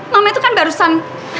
mama itu kan barusan